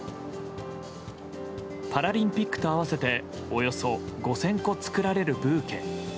パラリンピックと合わせておよそ５０００個作られるブーケ。